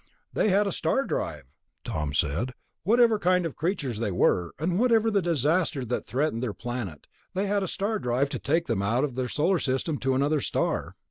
"They had a star drive," Tom said. "Whatever kind of creatures they were, and whatever the disaster that threatened their planet, they had a star drive to take them out of the Solar System to another star."